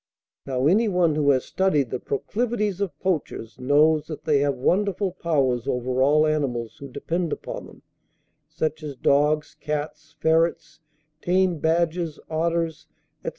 Now any one who has studied the proclivities of poachers, knows that they have wonderful powers over all animals who depend upon them, such as dogs, cats, ferrets, tame badgers, otters, etc.